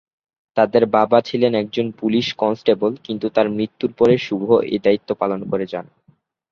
তাদের বাবা ছিলেন একজন পুলিশ কনস্টেবল কিন্তু তার মৃত্যুর পরে শুভ এই দায়িত্ব পালন করে যান।